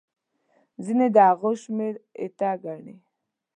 ځینې د هغوی شمېر ایته ګڼي.